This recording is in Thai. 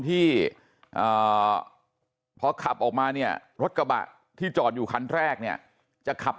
ที่พอขับออกมาเนี่ยรถกระบะที่จอดอยู่คันแรกเนี่ยจะขับ